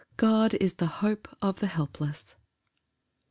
God is the hope of the helpless.